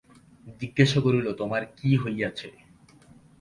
জিজ্ঞাসা করিল, তোমার কী হইয়াছে?